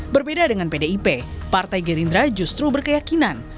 berbeda dengan pdip partai gerindra justru berkeyakinan